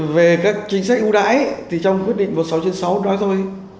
về các chính sách ưu đãi thì trong quyết định một sáu sáu nói thôi